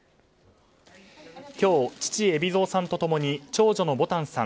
今日、父・海老蔵さんと共に長女のぼたんさん